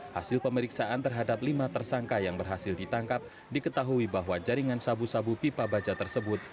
hasil pemeriksaan terhadap lima tersangka yang berhasil ditangkap diketahui bahwa jaringan sabu sabu pipa baja tersebut